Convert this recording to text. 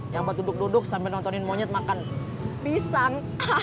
yang buat duduk duduk sambil nontonin monyet makan pisang